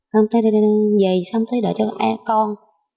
hôm nay về xong tới đợi cho con